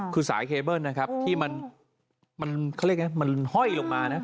คือสายเคเบิ้ลนะครับที่มันเขาเรียกไงมันห้อยลงมานะ